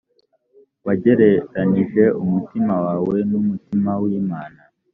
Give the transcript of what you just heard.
wagereranije umutima wawe n umutima w imana